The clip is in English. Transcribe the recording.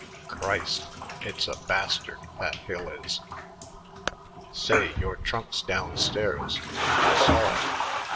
Christ! It's a bastard, that hill is. Say, your trunk's down stairs. I saw it.